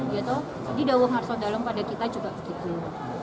jadi daun arsondalong pada kita juga begitu